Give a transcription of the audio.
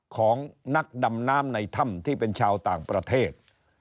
ของนักดำน้ำในถ้ำที่เป็นชาวต่างประเทศ